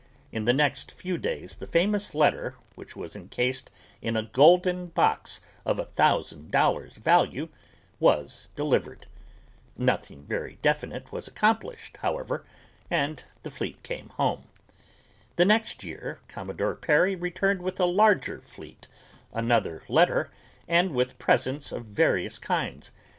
In the next few days the famous letter, which was incased in a golden box of a thousand dollars value, was delivered. Nothing very definite was accomplished, however, and the fleet came home. The next year Commodore Perry returned with a larger fleet, another letter, and with presents of various kinds.